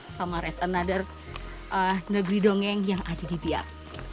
sama resanader negeri dongeng yang ada di biak